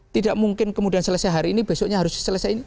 tidak mungkin kemudian selesai hari ini besoknya harus selesai ini